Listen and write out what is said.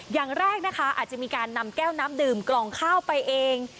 อย่างแรกนะคะอาจจะมีการนำแก้วน้ำดื่มกล่องข้าวไปเอง